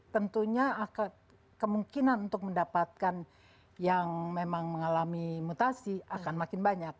tentunya kemungkinan untuk mendapatkan yang memang mengalami mutasi akan makin banyak